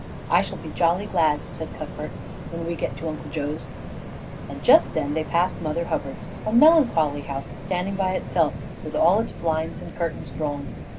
"I shall be jolly glad," said Cuthbert, "when we get to Uncle Joe's," and just then they passed Mother Hubbard's a melancholy house standing by itself, with all its blinds and curtains drawn.